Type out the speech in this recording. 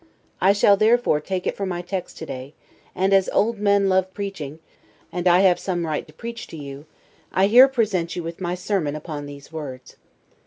I shall therefore take it for my text to day, and as old men love preaching, and I have some right to preach to you, I here present you with my sermon upon these words.